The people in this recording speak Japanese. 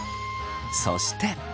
そして。